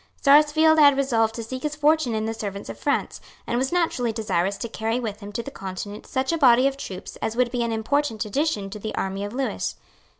Sarsfield had resolved to seek his fortune in the service of France, and was naturally desirous to carry with him to the Continent such a body of troops as would be an important addition to the army of Lewis.